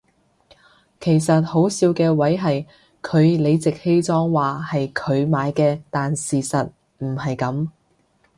其實好笑嘅位係佢理直氣壯話係佢買嘅但事實唔係噉